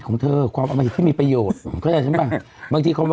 โฆษณสาวผิดต่อตอนนั้นก่อน